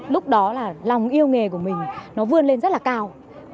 lúc đó là lòng yêu nghề của mình nó vươn lên rất là cao